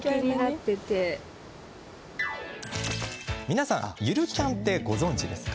皆さん「ゆるキャン△」ってご存じですか？